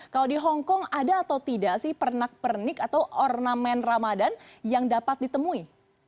kalau di hongkong ada atau tidak sih pernak pernik atau ornamen ramadan yang dapat ditemui